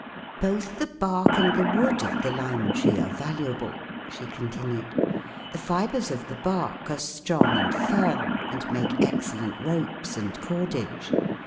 "Both the bark and the wood of the lime tree are valuable," she continued. "The fibres of the bark are strong and firm, and make excellent ropes and cordage.